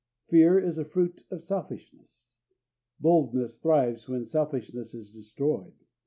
Fear is a fruit of selfishness. Boldness thrives when selfishness is destroyed.